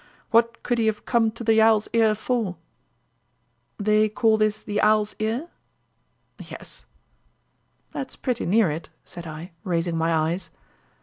What could he have come to the Owl's Ear for?" "They call this the Owl's Ear?" "Yes." "That's pretty near it," said I, raising my eyes.